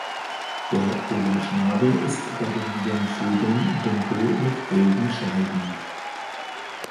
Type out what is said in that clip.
Der Oberschnabel ist bei den Jungvögeln dunkel mit gelben Scheiden.